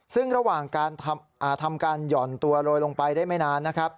ซึ่งระหว่างทำการหย่อนตัวโรยลงไปได้ไม่นาน